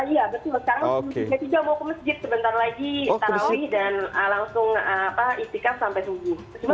iya betul sekarang jam tujuh belas tiga puluh mau ke masjid sebentar lagi taruh dan langsung istiqaf sampai subuh